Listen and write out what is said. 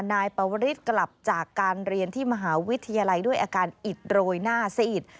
นายปวริสกลับจากการเรียนที่มหาวิทยาลัยด้วยอาการอิดโรยหน้าซีอิด